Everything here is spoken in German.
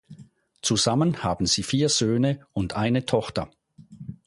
Zusammen haben sie vier Söhne und eine Tochter.